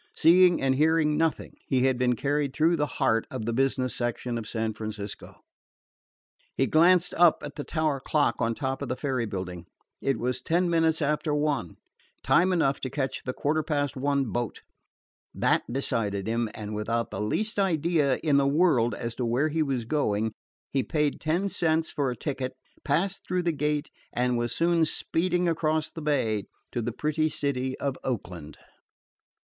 Seeing and hearing nothing, he had been carried through the heart of the business section of San Francisco. He glanced up at the tower clock on top of the ferry building. It was ten minutes after one time enough to catch the quarter past one boat. That decided him, and without the least idea in the world as to where he was going, he paid ten cents for a ticket, passed through the gate, and was soon speeding across the bay to the pretty city of Oakland.